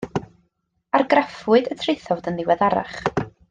Argraffwyd y traethawd yn ddiweddarach.